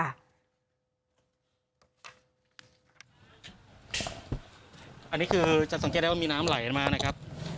อันนี้คือจะสังเกตได้ว่ามีน้ำไหลมานะครับ